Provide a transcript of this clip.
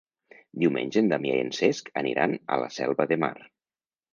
Diumenge en Damià i en Cesc aniran a la Selva de Mar.